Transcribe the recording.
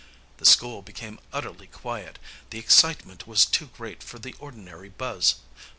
The school became utterly quiet, the excitement was too great for the ordinary buzz.